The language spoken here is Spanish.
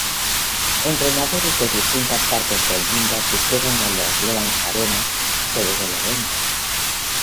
Entrenadores de distintas partes del mundo asistieron al Orleans Arena, sede del evento.